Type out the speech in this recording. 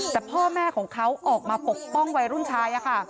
แต่พ่อแม่ของเขาออกมาปกป้องวัยรุ่นชายค่ะ